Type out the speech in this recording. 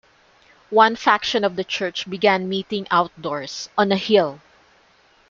One faction of the church began meeting outdoors, on a hill.